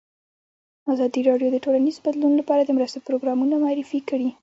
ازادي راډیو د ټولنیز بدلون لپاره د مرستو پروګرامونه معرفي کړي.